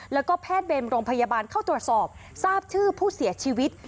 แล้วก็แพทย์เวรโรงพยาบาลเข้าตรวจสอบทราบชื่อผู้เสียชีวิต